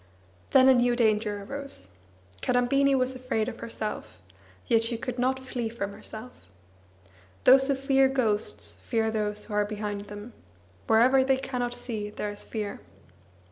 Then a new danger arose. Kadambini was afraid of herself; yet she could not flee from herself. Those who fear ghosts fear those who are behind them; wherever they cannot see there is fear.